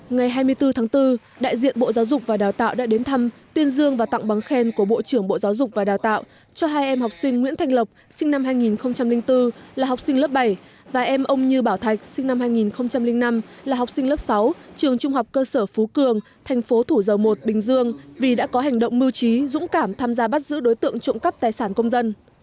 ngày hai mươi bốn tháng bốn đại diện bộ giáo dục và đào tạo đã đến thăm tuyên dương và tặng bằng khen của bộ trưởng bộ giáo dục và đào tạo cho hai em học sinh nguyễn thành lộc sinh năm hai nghìn bốn là học sinh lớp bảy và em ông như bảo thạch sinh năm hai nghìn năm là học sinh lớp sáu trường trung học cơ sở phú cường thành phố thủ dầu một bình dương vì đã có hành động mưu trí dũng cảm tham gia bắt giữ đối tượng trộm cắp tài sản công dân